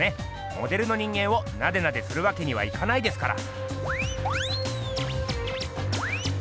モデルの人間をナデナデするわけにはいかないですから。